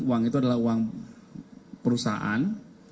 uang itu adalah uang perusahaan